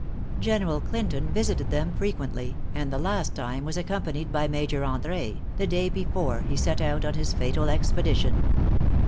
General Clinton visited them frequently, and the last time was accompanied by Major André, the day before he set out on his fatal expedition.